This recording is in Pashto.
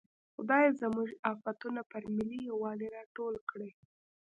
خدای زموږ افتونه پر ملي یوالي راټول کړي.